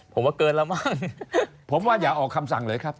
ผมว่าเกินแล้วมั้งผมว่าอย่าออกคำสั่งเลยครับ